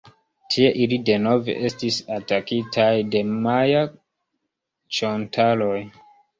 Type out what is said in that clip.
Tie ili denove estis atakitaj de maja-ĉontaloj.